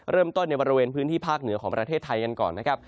ในบริเวณพื้นที่ภาคเหนือของประเทศไทยกันก่อนนะครับ